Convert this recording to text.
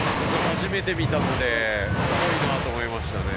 初めて見たので、すごいなと思いましたよね。